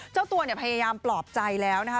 เจ้าตัวเนี่ยพยายามปลอบใจแล้วนะคะ